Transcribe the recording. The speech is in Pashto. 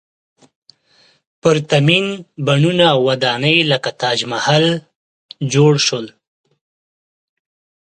پرتمین بڼونه او ودانۍ لکه تاج محل جوړ شول.